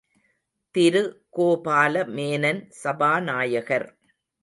திரு கோபால மேனன் சபாநாயகர்.